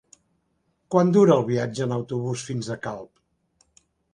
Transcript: Quant dura el viatge en autobús fins a Calp?